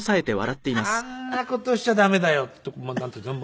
「あんな事しちゃ駄目だよ」ってなんていうんですか？